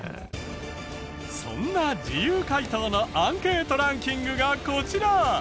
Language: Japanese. そんな自由回答のアンケートランキングがこちら。